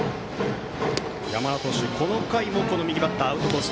山田投手、この回も右バッターへアウトコース